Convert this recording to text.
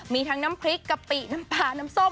มีทั้งน้ำพริกกะปิน้ำปลาน้ำส้ม